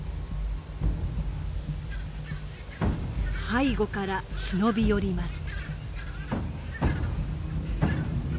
背後から忍び寄ります。